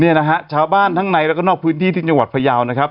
เนี่ยนะฮะชาวบ้านทั้งในแล้วก็นอกพื้นที่ที่จังหวัดพยาวนะครับ